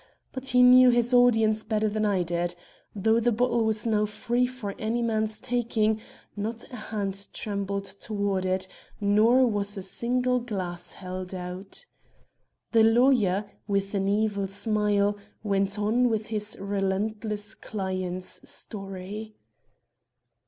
But he knew his audience better than I did. Though the bottle was now free for any man's taking, not a hand trembled toward it, nor was a single glass held out. The lawyer, with an evil smile, went on with his relentless client's story.